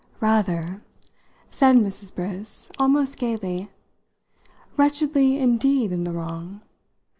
"Rather!" said Mrs. Briss almost gaily. "Wretchedly indeed in the wrong!"